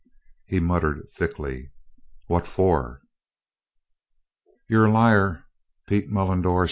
He muttered thickly: "What for?" "You're a liar, Pete Mullendore!"